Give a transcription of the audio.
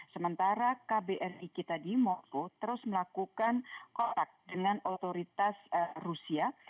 sementara kbri kita di moskow terus melakukan kontak dengan otoritas rusia